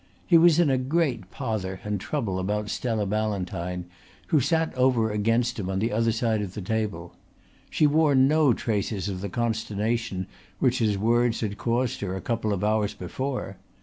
He was in a great pother and trouble about Stella Ballantyne, who sat over against him on the other side of the table. She wore no traces of the consternation which his words had caused her a couple of hours before.